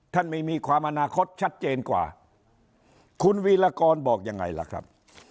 ไม่มีความอนาคตชัดเจนกว่าคุณวีรกรบอกยังไงล่ะครับ